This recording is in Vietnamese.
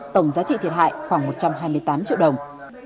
tổng giá trị thiệt hại khoảng một trăm hai mươi tám triệu đồng